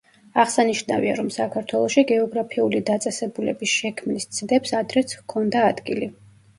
აღსანიშნავია, რომ საქართველოში გეოგრაფიული დაწესებულების შექმნის ცდებს ადრეც ჰქონდა ადგილი.